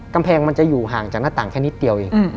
กำแพงมันจะอยู่ห่างจากหน้าต่างแค่นิดเดียวเอง